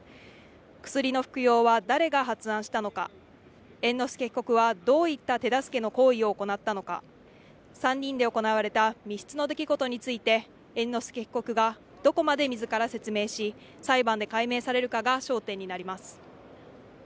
薬の服用は誰が発案したのか猿之助被告はどういった手助けの行為を行ったのか３人で行われた密室の出来事について猿之助被告がどこまで自ら説明し裁判で解明されるかが焦点になります